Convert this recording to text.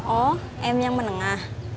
oh m yang menengah